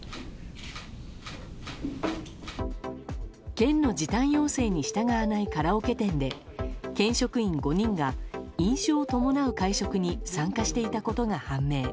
県の時短要請に従わないカラオケ店で県職員５人が飲酒を伴う会食に参加していたことが判明。